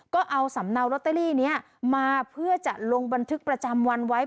ก็เอาสำเนาลล็อตเตอรี่มาเพื่อจะบันทึกประจำวันไว้เป็น